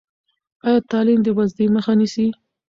ایا تعلیم د بېوزلۍ مخه نیسي؟